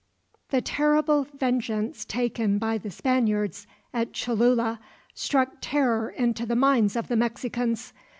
The terrible vengeance taken by the Spaniards at Cholula struck terror into the minds of the Mexicans.